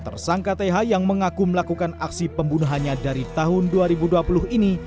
tersangka th yang mengaku melakukan aksi pembunuhannya dari tahun dua ribu dua puluh ini